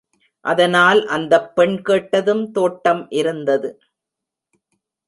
அதனால் அந்தப் பெண் கேட்டதும் தோட்டம் இருந்தது.